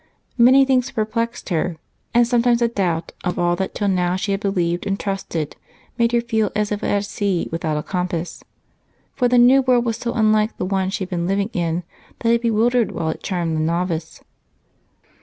Many things perplexed her, and sometimes a doubt of all that till now she had believed and trusted made her feel as if at sea without a compass, for the new world was so unlike the one she had been living in that it bewildered while it charmed the novice.